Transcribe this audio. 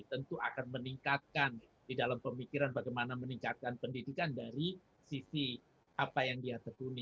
tentu akan meningkatkan di dalam pemikiran bagaimana meningkatkan pendidikan dari kemampuan